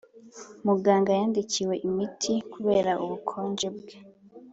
muganga yandikiwe imiti kubera ubukonje bwe. i